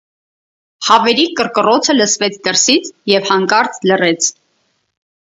Հավերի կռկռոցը լսվեց դրսից և հանկարծ լռեց: